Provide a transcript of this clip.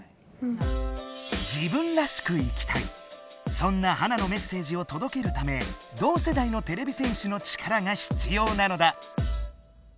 そんなハナのメッセージをとどけるため同世代のてれび戦士の力が必要なのだ！